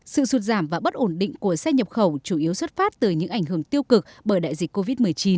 sự sụt giảm và bất ổn định của xe nhập khẩu chủ yếu xuất phát từ những ảnh hưởng tiêu cực bởi đại dịch covid một mươi chín